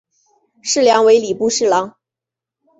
事梁为礼部侍郎。